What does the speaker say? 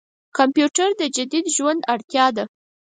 کمپيوټر د جديد ژوند اړتياده.